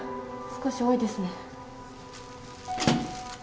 少し多いですね。